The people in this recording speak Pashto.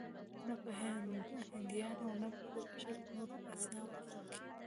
نه په هندیانو او نه د بشر په نورو اصنافو کې.